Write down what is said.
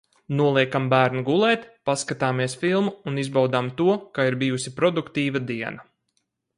Noliekam bērnu gulēt, paskatāmies filmu un izbaudām to, ka ir bijusi produktīva diena.